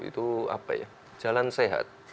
itu apa ya jalan sehat